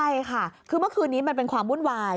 ใช่ค่ะคือเมื่อคืนนี้มันเป็นความวุ่นวาย